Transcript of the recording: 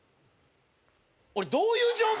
俺どういう状況？